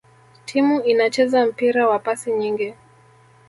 timu inacheza mpira wa pasi nyingi